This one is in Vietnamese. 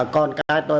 con cái tôi